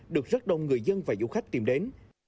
được rất đông người dân và du khách tìm đến